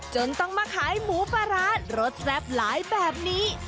จนต้องมาขายหมูปลาร้ารสแซ่บหลายแบบนี้